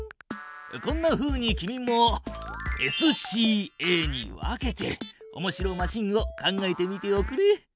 こんなふうに君もＳＣＡに分けておもしろマシンを考えてみておくれ。